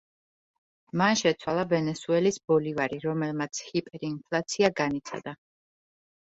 მან შეცვალა ვენესუელის ბოლივარი, რომელმაც ჰიპერინფლაცია განიცადა.